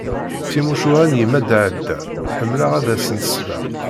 Timucuha n yemma Daɛda ḥemmleɣ ad asent-sleɣ.